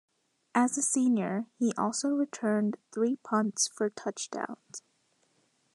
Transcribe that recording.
As a senior, he also returned three punts for touchdowns.